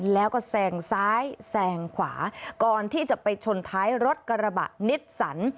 แล้วก็แซงซ้ายแซงขวาก่อนที่จะไปชนท้ายรถกระบะนิสสัน